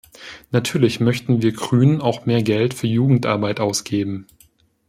Natürlich möchten wir Grünen auch mehr Geld für Jugendarbeit ausgeben.